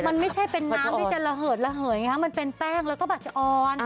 มันไม่ใช่เป็นน้ำที่จะระเหิดระเหยมันเป็นแป้งแล้วก็บัชออน